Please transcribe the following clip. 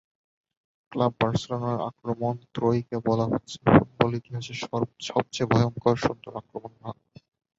Club বার্সেলোনার আক্রমণ-ত্রয়ীকে বলা হচ্ছে ফুটবল ইতিহাসেরই সবচেয়ে ভয়ংকর সুন্দর আক্রমণভাগ।